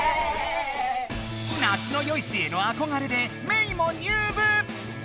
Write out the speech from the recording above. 那須与一へのあこがれでメイも入部！